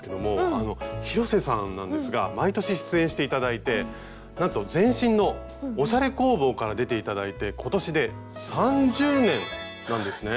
あの広瀬さんなんですが毎年出演して頂いてなんと前身の「おしゃれ工房」から出て頂いて今年で３０年なんですね。